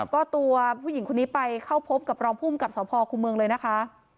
ก็ตัวผู้หญิงคนนี้ไปเข้าพบกับรองภูมิกับสพครูเมืองเลยนะคะ